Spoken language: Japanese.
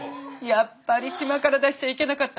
やっぱり島から出しちゃいけなかった。